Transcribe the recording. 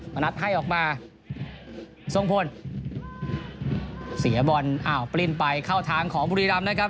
นัดให้ออกมาทรงพลเสียบอลอ้าวปลิ้นไปเข้าทางของบุรีรำนะครับ